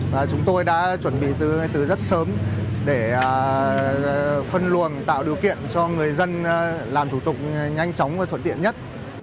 và chúng tôi đã chuẩn bị từ rất sớm để phân luồng tạo điều kiện cho người dân làm thủ tục nhanh chóng và thuận tiện nhất